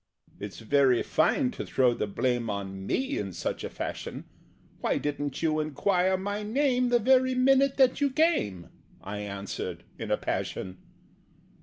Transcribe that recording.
"It's very fine to throw the blame On me in such a fashion! Why didn't you enquire my name The very minute that you came?" I answered in a passion.